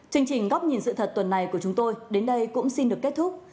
chương trình góc nhìn sự thật tuần này của chúng tôi đến đây cũng xin được kết thúc